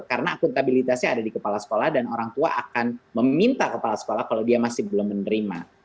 karena akuntabilitasnya ada di kepala sekolah dan orang tua akan meminta kepala sekolah kalau dia masih belum menerima